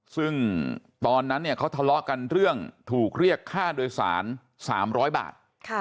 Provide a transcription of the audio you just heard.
ซึ่งตอนนั้นเขาทะเลาะกันเรื่องถูกเรียกค่าโดยสาร๓๐๐บาท